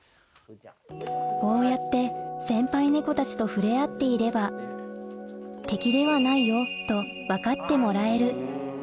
こうやって先輩猫たちと触れ合っていれば敵ではないよと分かってもらえる